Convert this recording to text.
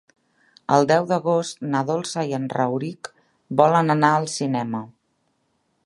El deu d'agost na Dolça i en Rauric volen anar al cinema.